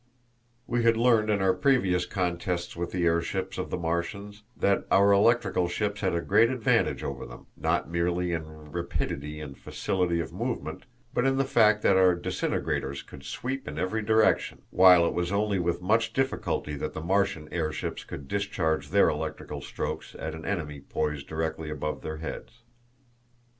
We had learned in our previous contests with the airships of the Martians that our electrical ships had a great advantage over them, not merely in rapidity and facility of movement, but in the fact that our disintegrators could sweep in every direction, while it was only with much difficulty that the Martian airships could discharge their electrical strokes at an enemy poised directly above their heads.